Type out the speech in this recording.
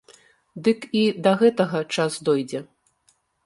Дык і да гэтага час дойдзе.